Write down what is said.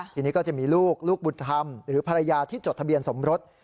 ทีนี้ก็จะมีลูกลูกบุญธรรมหรือภรรยาที่จดทะเบียนสมรส